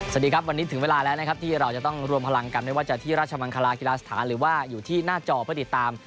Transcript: สวัสดีครับวันนี้ถึงเวลาแล้วนะครับที่เราจะต้องรวมพลังกันไม่ว่าจะที่ราชมังคลากีฬาสถานหรือว่าอยู่ที่หน้าจอเพื่อติดตาม